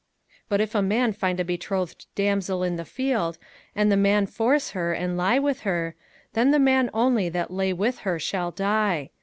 05:022:025 But if a man find a betrothed damsel in the field, and the man force her, and lie with her: then the man only that lay with her shall die.